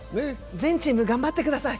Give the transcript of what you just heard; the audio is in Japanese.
全チーム頑張ってください。